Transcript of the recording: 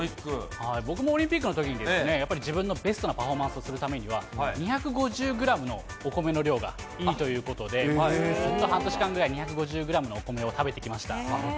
僕もオリンピックのときに、やっぱり自分のベストなパフォーマンスをするためには、２５０グラムのお米の量がいいということで、ずっと、半年間ぐらい２５０グラムのお米を食べてきました。